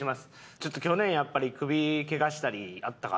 ちょっと去年やっぱり首けがしたりあったから。